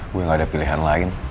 gue gak ada pilihan lain